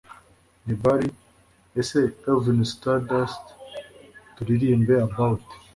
Ni Buddy Ese Alvin Stardust Turirimbire About